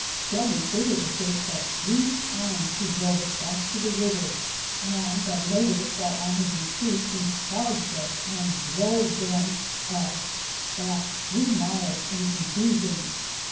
Shelby further asserts that "three times" he drove us "back to the river," and that later, while on his retreat, he "charged" us and "drove them (us) back three miles in confusion."